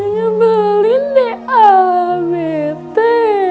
ngebelin deh ala bete